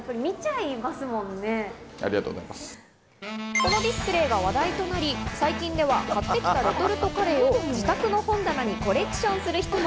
このディスプレイが話題となり最近では買ってきたレトルトカレーを自宅の本棚にコレクションする人も。